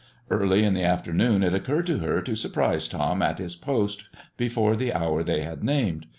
Early in the afternoon it occurred to her to surprise Tom at his post before the hour they had named.